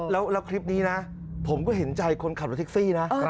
แล้วคลิปนี้นะผมก็เห็นใจคนขับรถแท็กซี่นะ